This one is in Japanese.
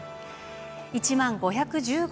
１万５１５